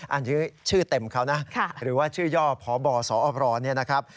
อันนี้ชื่อเต็มเขานะหรือว่าชื่อย่อพบสอพรเนี่ยนะครับ